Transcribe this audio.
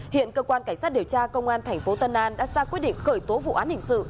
hiện cơ quan cảnh sát điều tra công an tp tân an đã ra quyết định khởi tố vụ án hình sự